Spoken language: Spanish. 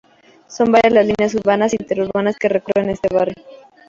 Son varias las líneas urbanas e interurbanas que recorren este barrio.